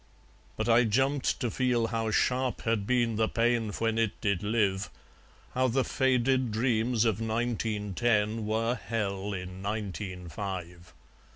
But I jumped to feel how sharp had been The pain when it did live, How the faded dreams of Nineteen ten Were Hell in Nineteen five.